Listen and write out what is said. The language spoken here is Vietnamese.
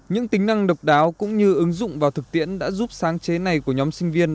những tính năng độc đáo cũng như ứng dụng vào thực tiễn đã giúp sáng chế này của nhóm sinh viên